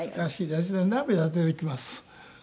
私涙が出てきます。